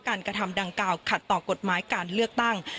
กระทำดังกล่าวขัดต่อกฎหมายการเลือกตั้ง